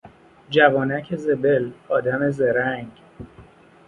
جوانک زبل، آدم زرنگ